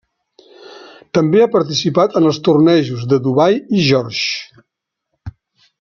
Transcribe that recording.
També ha participat en els tornejos de Dubai i George.